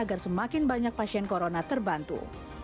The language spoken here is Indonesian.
agar semakin banyak pasien corona terbantu